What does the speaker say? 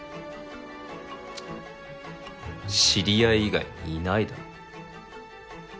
知り合い以外にいないだろ。